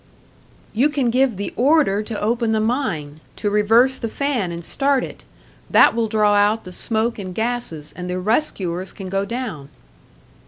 "You can give the order to open the mine, to reverse the fan and start it. That will draw out the smoke and gases, and the rescuers can go down."